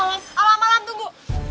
awam awam malam tunggu